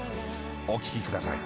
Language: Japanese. お聞きください。